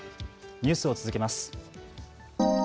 ニュースを続けます。